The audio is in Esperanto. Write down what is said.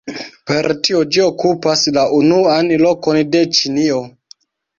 Per tio ĝi okupas la unuan lokon de Ĉinio.